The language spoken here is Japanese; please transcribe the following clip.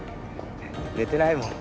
寝てないもん。